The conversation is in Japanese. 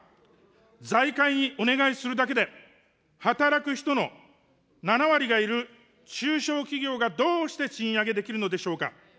財界にお願いするだけで、働く人の７割がいる中小企業がどうして賃上げできるのでしょうか。